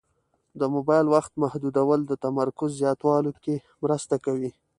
د موبایل وخت محدودول د تمرکز زیاتولو کې مرسته کوي.